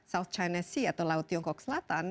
south china sea atau laut tiongkok selatan